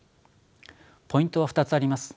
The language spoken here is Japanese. ポイントは２つあります。